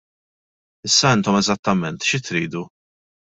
Issa intom eżattament xi tridu?